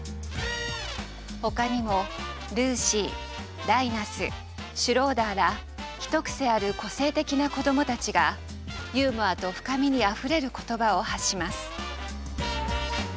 他にもルーシーライナスシュローダーら一癖ある個性的な子どもたちがユーモアと深みにあふれる言葉を発します。